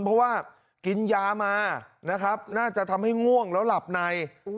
เพราะว่ากินยามานะครับน่าจะทำให้ง่วงแล้วหลับใน